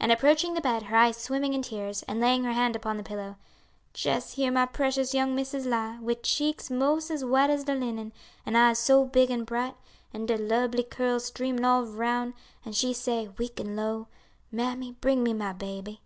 And approaching the bed, her eyes swimming in tears, and laying her hand upon the pillow, "jes' here my precious young missus lie, wid cheeks 'mos' as white as de linen, an' eyes so big an' bright, an' de lubly curls streamin' all roun', an' she say, weak an' low, 'Mammy, bring me my baby.'